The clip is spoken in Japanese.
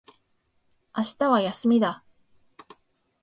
明日は休みだ